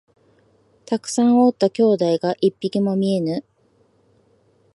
たくさんおった兄弟が一匹も見えぬ